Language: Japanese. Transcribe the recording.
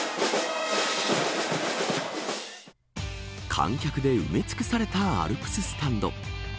観客で埋め尽くされたアルプススタンド。